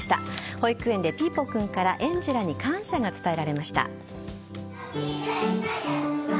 保育園でピーポくんから園児らに感謝が伝えられました。